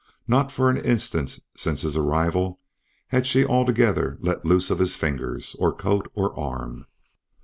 Not for an instant since his arrival had she altogether let loose of his fingers, or coat, or arm.